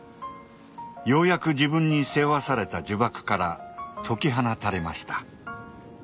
ようやく自分に背負わされた呪縛から解き放たれました。